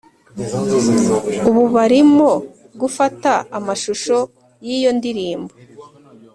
ubu barimo gufata amashusho y’iyo ndirimbo